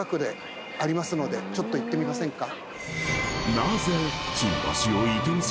ちょっと行ってみませんか。